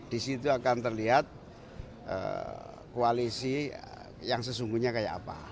di situ akan terlihat koalisi yang sesungguhnya kayak apa